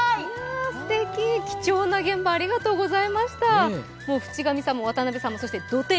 すてき、貴重な現場ありがとうございました。